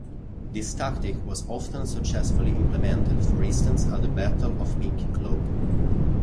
This tactic was often successfully implemented, for instance, at the Battle of Pinkie Cleugh.